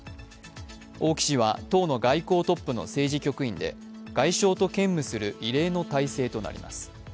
王毅氏は党の外交トップの政治局員で、外相と兼務する異例の体制となります。